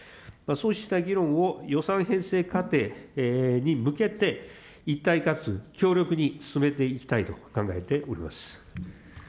そうした議論を予算編成過程に向けて、一体かつ強力に進めていきたいと考えております。